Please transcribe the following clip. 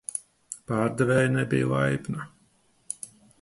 Pārdevēja nebija laipna